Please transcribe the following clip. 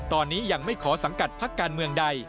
ตอนนี้ยังไม่ขอสังกัดพักการเมืองใด